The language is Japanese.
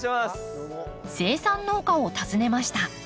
生産農家を訪ねました。